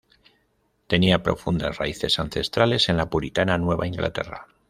Tenía profundas raíces ancestrales en la puritana Nueva Inglaterra.